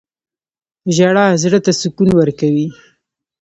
• ژړا زړه ته سکون ورکوي.